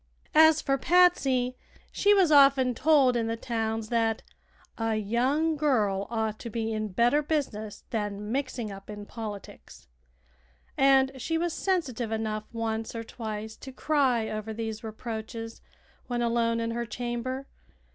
As for Patsy, she was often told in the towns that "a young girl ought to be in better business than mixing up in politics," and she was sensitive enough once or twice to cry over these reproaches when alone in her chamber.